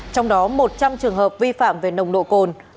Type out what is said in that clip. trong đó một trăm linh trường hợp vi phạm về nồng độ cồn